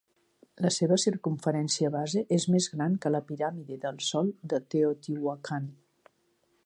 La seva circumferència base és més gran que la piràmide del Sol de Teotihuacan.